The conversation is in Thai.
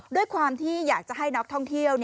ด้วยความที่อยากจะให้นักท่องเที่ยว